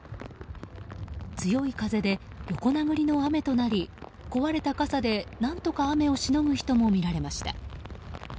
強い風で横殴りの雨となり壊れた傘で何とか雨をしのぐ人も見られました。